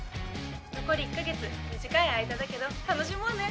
残り１か月短い間だけど楽しもうね。